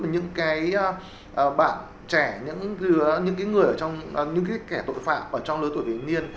những bạn trẻ những kẻ tội phạm trong lối tuổi vị thành niên